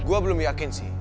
gue belum yakin sih